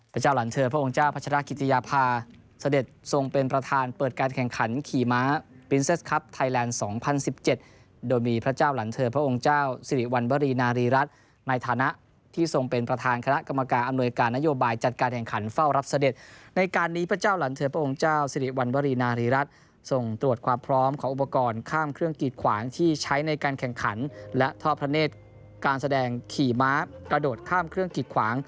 พระเจ้าหลันเถิบพระองค์เจ้าพัชรภาคิตยภาคภาคภาคภาคภาคภาคภาคภาคภาคภาคภาคภาคภาคภาคภาคภาคภาคภาคภาคภาคภาคภาคภาคภาคภาคภาคภาคภาคภาคภาคภาคภาคภาคภาคภาคภาคภาคภาคภาคภาคภาคภาคภาคภาคภาคภาคภาค